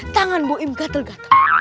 tangan boim gatel gatel